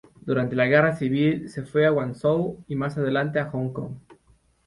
Durante la guerra civil, se fue a Guangzhou, y más adelante a Hong Kong.